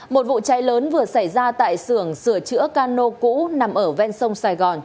một vụ cháy lớn vừa xảy ra tại sưởng sửa chữa cano cũ nằm ở ven sông sài gòn